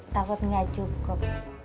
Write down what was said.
tafat nggak cukup